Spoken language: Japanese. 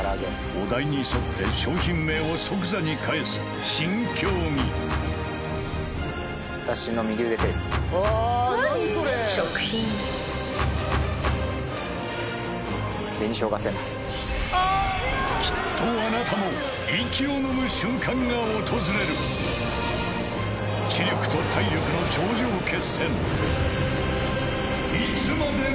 お題に沿って商品名を即座に返す新競技きっとあなたも気力と体力の頂上決戦